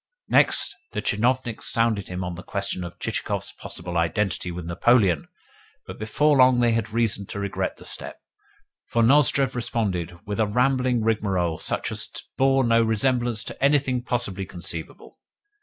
Next, the tchinovniks sounded him on the question of Chichikov's possible identity with Napoleon; but before long they had reason to regret the step, for Nozdrev responded with a rambling rigmarole such as bore no resemblance to anything possibly conceivable.